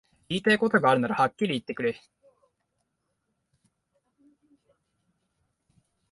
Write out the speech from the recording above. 言いたいことがあるならはっきり言ってくれ